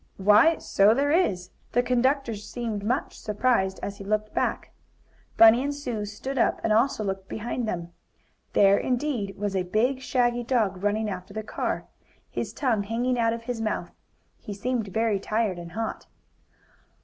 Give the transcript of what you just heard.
"Why, so there is!" The conductor seemed much surprised as he looked back. Bunny and Sue stood up and also looked behind them. There, indeed, was a big shaggy dog, running after the car, his tongue hanging out of his mouth. He seemed very tired and hot.